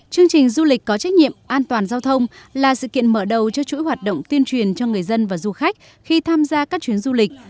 chương trình du lịch có trách nhiệm an toàn giao thông là sự kiện mở đầu cho chuỗi hoạt động tuyên truyền cho người dân và du khách khi tham gia các chuyến du lịch